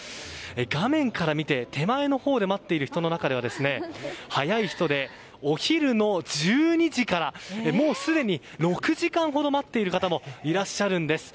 画面から見て手前のほうで待っている人の中では早い人でお昼の１２時からもうすでに６時間ほど待っている方もいらっしゃるんです。